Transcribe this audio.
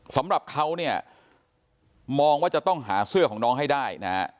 สำหรับเขาเนี่ยมองว่าจะต้องหาเสื้อของน้องให้ได้นะฮะ